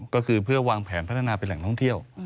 ก็คือเพื่อวางแผนพัฒนาเป็นแหล่งท่องเที่ยว